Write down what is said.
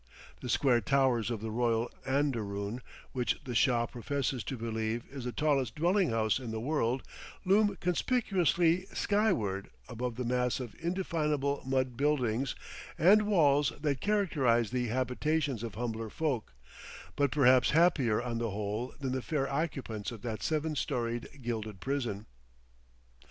The square towers of the royal anderoon which the Shah professes to believe is the tallest dwelling house in the world loom conspicuously skyward above the mass of indefinable mud buildings and walls that characterize the habitations of humbler folk, but perhaps happier on the whole than the fair occupants of that seven storied gilded prison.